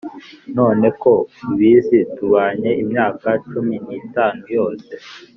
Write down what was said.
none ko ubizi tubanye imyaka cumi nitanu yose,